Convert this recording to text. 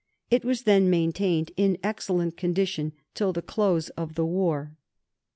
It was then maintained in excellent condition till the close of the war."